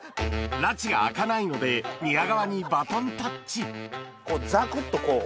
らちが明かないので宮川にバトンタッチザクっとこう。